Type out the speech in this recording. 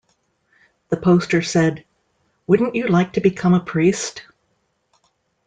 The poster said: 'Wouldn't you like to become a priest?'.